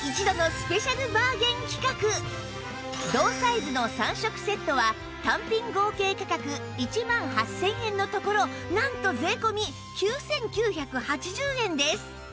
同サイズの３色セットは単品合計価格１万８０００円のところなんと税込９９８０円です